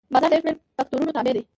بازار د یو شمېر فکتورونو تابع دی.